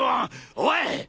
おい！